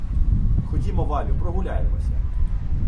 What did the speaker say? — Ходімо, Валю, прогуляємося.